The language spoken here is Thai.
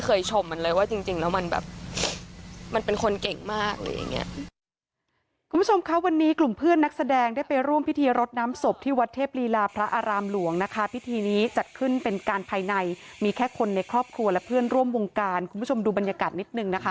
คุณผู้ชมค่ะวันนี้กลุ่มเพื่อนนักแสดงได้ไปร่วมพิธีรดน้ำสบที่วัดเทพฤลาพระอารามหลวงนะคะพิธีนี้จัดขึ้นเป็นการภายในมีแค่คนในครอบครัวและเพื่อนร่วมวงการคุณผู้ชมดูบรรยากาศนิดหนึ่งนะคะ